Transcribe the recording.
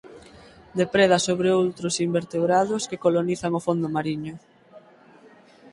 Depreda sobre outros invertebrados que colonizan o fondo mariño.